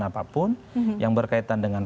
apapun yang berkaitan dengan